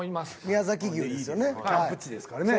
宮崎牛ですよね。